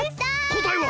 こたえは！？